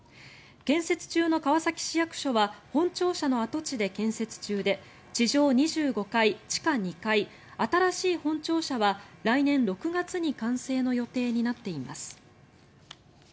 建設中の川崎市役所は本庁舎の跡地で建設中で地上２５階、地下２階新しい本庁舎は来年６月に完成の予定になっています。